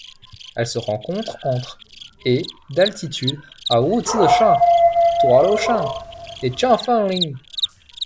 Elle se rencontre entre et d'altitude à Wuzhishan, Diaoluoshan et Jianfengling.